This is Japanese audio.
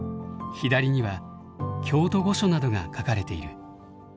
左には京都御所などが描かれている。